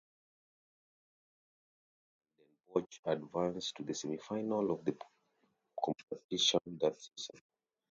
Cramer and Den Bosch advanced to the semi final of the competition that season.